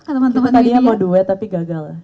kita tadinya mau duet tapi gagal